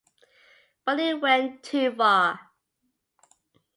But it went too far.